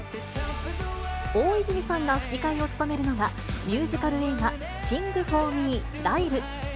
大泉さんが吹き替えを務めるのが、ミュージカル映画、シング・フォー・ミー、ライル。